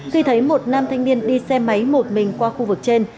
khi thấy một nam thanh niên đi xe máy một mình qua khu vực trên